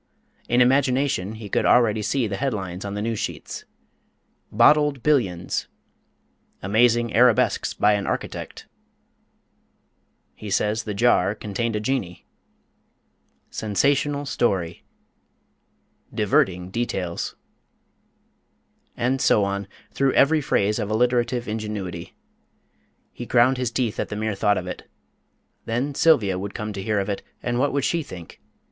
In imagination he could already see the headlines on the news sheets: BOTTLED BILLIONS AMAZING ARABESQUES BY AN ARCHITECT HE SAYS THE JAR CONTAINED A JINNEE SENSATIONAL STORY DIVERTING DETAILS And so on, through every phrase of alliterative ingenuity. He ground his teeth at the mere thought of it. Then Sylvia would come to hear of it, and what would she think?